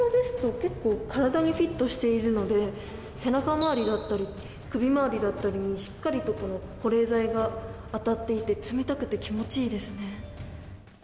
結構体にフィットしているので背中回りだったり首回りだったりしっかりと保冷剤が当たっていて冷たくて気持ちいですね。